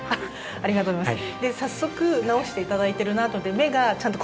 ありがとうございます。